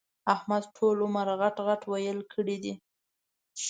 احمد ټول عمر غټ ِغټ ويل کړي دي.